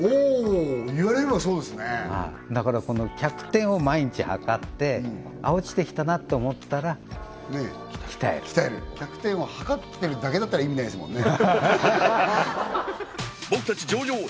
お言われればそうですねだからこの脚点を毎日測って落ちてきたなって思ったら鍛える脚点を測ってるだけだったら意味ないですもんね